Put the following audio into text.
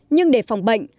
nhưng để phòng bệnh